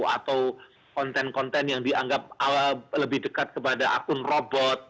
atau konten konten yang dianggap lebih dekat kepada akun robot